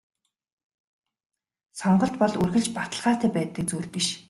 Сонголт бол үргэлж баталгаатай байдаг зүйл биш.